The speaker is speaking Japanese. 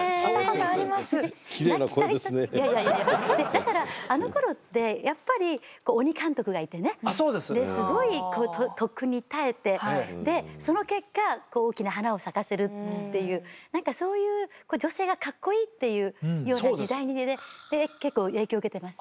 だからあのころってやっぱり鬼監督がいてねすごい特訓に耐えてでその結果大きな花を咲かせるっていう何かそういう女性がかっこいいっていうような時代でね結構影響を受けてます。